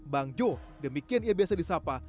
bang jo demikian ia biasa disapa